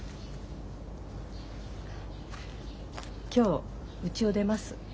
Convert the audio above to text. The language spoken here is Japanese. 今日うちを出ます。